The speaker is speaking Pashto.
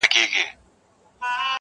o کټو په درې واره ماتېږي!